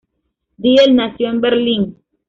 Diehl nació en Berlín.